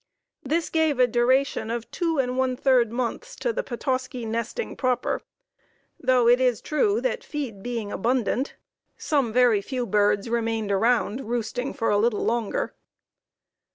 This gave a duration of two and one third months to the Petoskey nesting proper, though it is true that, feed being abundant, some very few birds remained around, roosting for a little longer.